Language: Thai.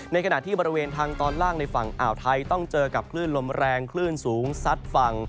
ขณะที่บริเวณทางตอนล่างในฝั่งอ่าวไทยต้องเจอกับคลื่นลมแรงคลื่นสูงซัดฝั่ง